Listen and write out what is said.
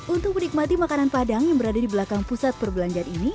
untuk menikmati makanan padang yang berada di belakang pusat perbelanjaan ini